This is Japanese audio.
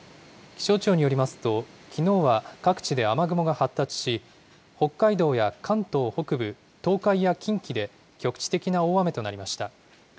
気象庁によりますと、きのうは各地で雨雲が発達し、北海道や関東北部、東海や近畿で、局地的な大雨となりました。